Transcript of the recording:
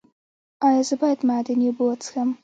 ایا زه باید معدني اوبه وڅښم؟